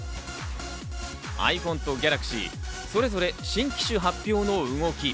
ｉＰｈｏｎｅとＧａｌａｘｙ、それぞれ新機種発表の動き。